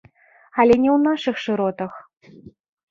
Але не ў нашых шыротах.